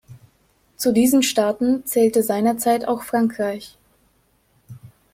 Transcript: Zu diesen Staaten zählte seinerzeit auch Frankreich.